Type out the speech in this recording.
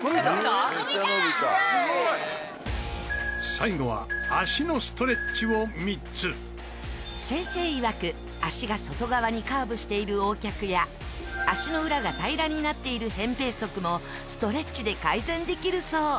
最後は先生いわく脚が外側にカーブしているＯ脚や足の裏が平らになっている扁平足もストレッチで改善できるそう。